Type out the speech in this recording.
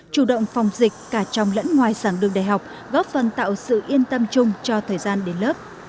chủ động phòng dịch cả trong lẫn ngoài sẵn đường đại học góp phần tạo sự yên tâm chung cho thời gian đến lớp